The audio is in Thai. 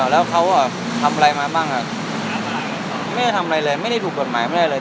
แล้วเขาทำอะไรมาบ้างครับไม่ได้ทำอะไรเลยไม่ได้ถูกกฎหมายไม่ได้เลย